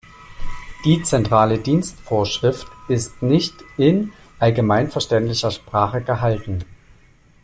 Die Zentrale Dienstvorschrift ist nicht in allgemeinverständlicher Sprache gehalten.